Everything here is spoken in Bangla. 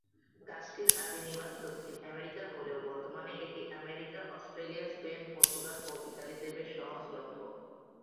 গাছটির আদি নিবাস দক্ষিণ আমেরিকা হলেও বর্তমানে এটি আমেরিকা, অস্ট্রেলিয়া, স্পেন, পর্তুগাল ও ইতালিতে বেশ সহজলভ্য।